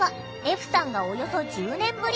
歩さんがおよそ１０年ぶり。